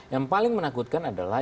yang paling menakutkan adalah